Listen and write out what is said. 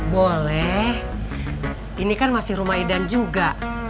boleh ini kan masih rumah idan juga